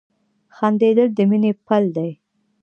• خندېدل د مینې پل دی.